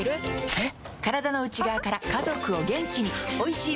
えっ？